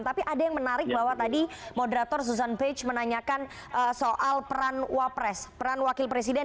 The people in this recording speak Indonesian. tapi ada yang menarik bahwa tadi moderator susan page menanyakan soal peran wapres peran wakil presiden